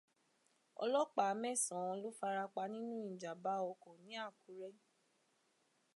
Ọlọ́pàá mẹ́sàn-án ló farapa nínú ìjàm̀bá ọkọ̀ ní Àkúré.